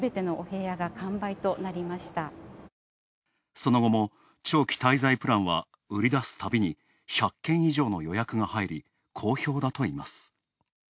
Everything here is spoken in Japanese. その後も長期滞在プランは売り出すたびに１００件以上の予約が入り好評だといいます。